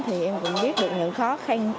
thì em cũng biết được những khó khăn